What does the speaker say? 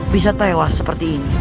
bisa tewas seperti ini